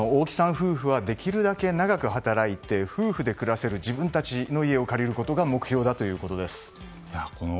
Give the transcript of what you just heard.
夫婦はできるだけ長く働いて夫婦で暮らせる自分たちの家を借りることが目標だということです。